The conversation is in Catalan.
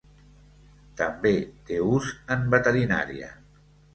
També té ús en veterinària.